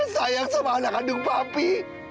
kamu masih peduli sama anak kandung papi